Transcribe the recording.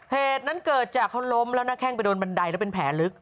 เหตุนั้นเกิดจากเขาล้มแล้วหน้าแข้งไปโดนบันไดแล้วเป็นแผลลึก